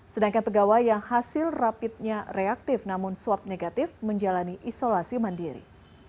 sedangkan pegawai yang hasil rapidnya reaktif namun swab negatif menjalani isolasi mandiri